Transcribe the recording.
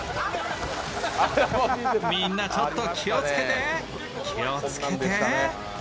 みんなちょっと気をつけて、気をつけて。